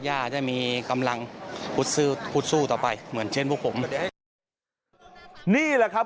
เอาเรื่องเศรษฐกิจก่อนดีกว่าครับ